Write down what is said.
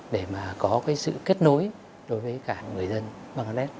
để mà có cái sự kết nối đối với cả người dân bangladesh